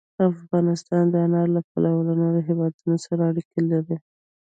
افغانستان د انارو له پلوه له نورو هېوادونو سره اړیکې لري.